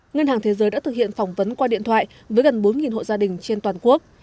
ngân hàng thế giới đã thực hiện phỏng vấn qua điện thoại với gần bốn hộ gia đình trên toàn quốc